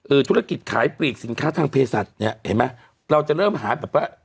ธุรกิจขายปลีกสินค้าทางเพศัตริย์เนี้ยเห็นไหมเราจะเริ่มหาแบบว่า